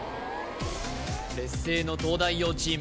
劣勢の東大王チーム